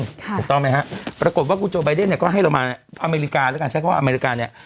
ถูกต้องไหมครับปรากฏว่ากูจูโอใบเดนเนี่ยก็ให้เรามีอเมริกากัน